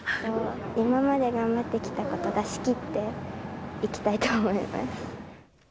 今まで頑張ってきたこと、出しきっていきたいと思います。